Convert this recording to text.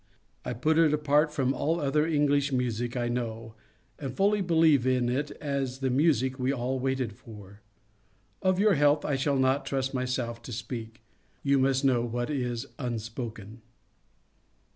I put it apart from all other English music I know, and fully believe in it as the music we all waited for. Of your health I shall not trust myself to speak ; you must know what is unspoken."